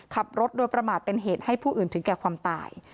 ขับรถโดยประมาทเป็นเหตุให้ผู้อื่นถึงแก่ความตาย